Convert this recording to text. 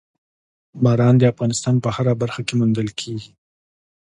باران د افغانستان په هره برخه کې موندل کېږي.